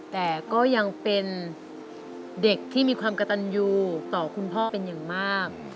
แต่ก็ยังเป็นเด็กที่มีความกระตันยูต่อคุณพ่อเป็นอย่างมาก